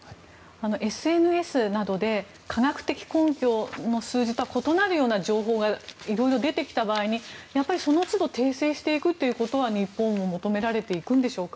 ＳＮＳなどで科学的根拠の数字とは異なるような情報が色々出てきた場合にやっぱりそのつど訂正していくということは日本も求められていくんでしょうか。